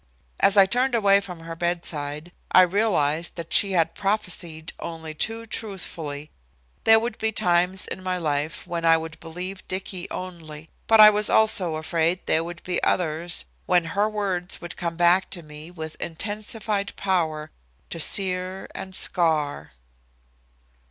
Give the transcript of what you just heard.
As I turned away from her bedside I realized that she had prophesied only too truthfully. There would be times in my life when I would believe Dicky only. But I was also afraid there would be others when her words would come back to me with intensified power to sear and scar.